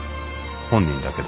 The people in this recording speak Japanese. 本人だけ。